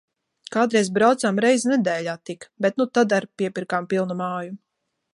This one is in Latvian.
Kādreiz braucām reizi nedēļā tik. Bet nu tad ar’ piepirkām pilnu māju.